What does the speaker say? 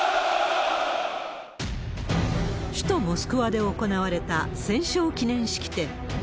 首都モスクワで行われた戦勝記念式典。